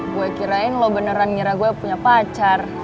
gue kirain lo beneran ngira gue punya pacar